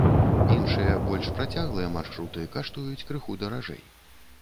Іншыя, больш працяглыя маршруты каштуюць крыху даражэй.